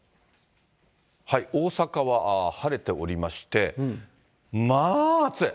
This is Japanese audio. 大阪は晴れておりまして、まあ暑い。